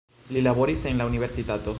Li laboris en la universitato.